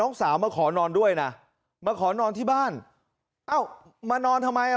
สาวมาขอนอนด้วยนะมาขอนอนที่บ้านเอ้ามานอนทำไมอ่ะ